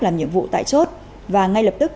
làm nhiệm vụ tại chốt và ngay lập tức